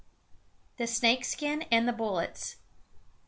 THE SNAKE SKIN AND THE BULLETS.